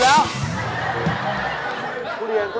อยู่ชื่อไอหนู